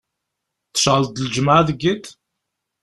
Tceɣleḍ d lǧemεa deg yiḍ?